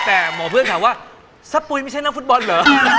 แต่หมอเพื่อนถามว่าสปุ๋ยไม่ใช่นักฟุตบอลเหรอ